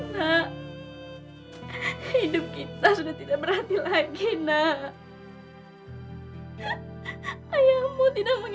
jadi lagi tersanggahkan anakku